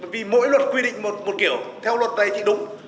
vì mỗi luật quy định một kiểu theo luật này thì đúng